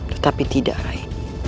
tetapi tidak rai